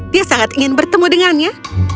dia sangat ingin bertemu dengannya